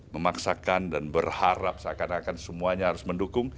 memaksakan dan berharap seakan akan semuanya harus mendukung